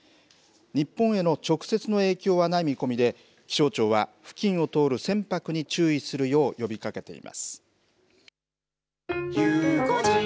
日本への直接の影響はない見込みで、気象庁は、付近を通る船舶に、注意するよう呼びかけています。